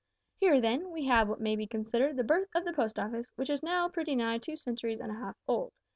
"Here, then, we have what may be considered the birth of the Post Office, which is now pretty nigh two centuries and a half old.